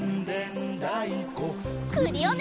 クリオネ！